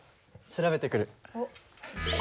調べてくる。